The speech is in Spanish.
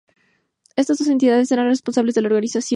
Estas dos entidades serán las responsables de la organización.